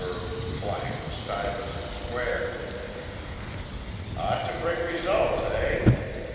Stuyvesant Square. "Ought to bring results, eh?